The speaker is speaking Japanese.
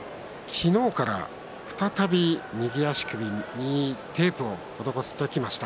昨日から再び右足首にテープを施してきました